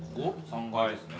３階ですね。